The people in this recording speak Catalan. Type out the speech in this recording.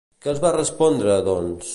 Què els va respondre, doncs?